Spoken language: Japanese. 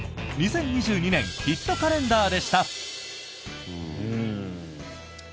２０２２年ヒットカレンダーでした。